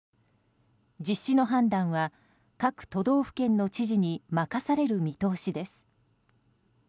実施の判断は各都道府県の知事に任される見通しです。